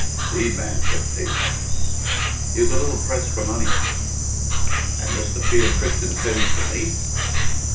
"'Deed, man," said Pete. "He is a little pressed for money." "And Mr. Peter Christian sends to me?"